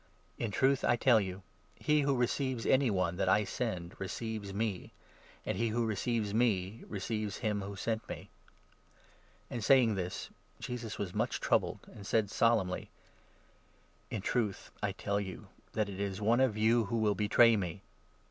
In truth I tell you, he who receives any one that I 20 send receives me ; and he who receives me receives him who sent me." jesus After saying this, Jesus was much troubled, 21 points out and said solemnly : the Betrayer. " in truth I tell you that it is one of you who will betray me."